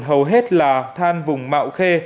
hầu hết là than vùng mạo khê